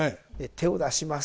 手を出します。